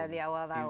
di awal tahun